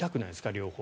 両方。